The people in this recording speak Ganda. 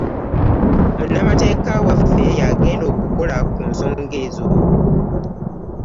Munnamateeka waffe y'agenda okukola ku nsonga ezo.